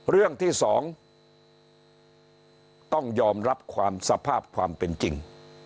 เรื่องที่สองต้องยอมรับความสภาพความเป็นจริง